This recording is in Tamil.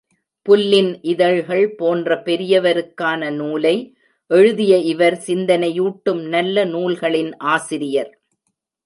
புல்லின் இதழ்கள் போன்ற பெரியவருக்கான நூலை எழுதிய இவர் சிந்தனையூட்டும் நல்ல நூல்களின் ஆசிரியர்.